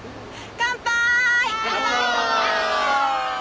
乾杯。